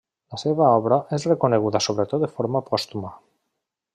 La seva obra va ser reconeguda sobretot de forma pòstuma.